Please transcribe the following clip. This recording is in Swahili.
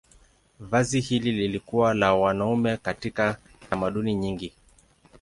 Vazi hili lilikuwa la wanaume katika tamaduni nyingi.